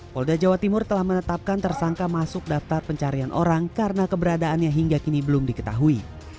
polda jawa timur telah menetapkan tersangka masuk daftar pencarian orang karena keberadaannya hingga kini belum diketahui